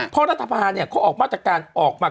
เพราะรัฐภาพเนี่ยเขาออกมาจากการออกมา